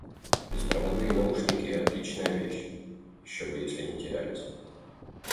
Беспроводные наушники - отличная вещь, ещё бы если не терялись.